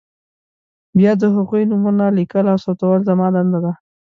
بیا د هغوی نومونه لیکل او ثبتول زما دنده ده.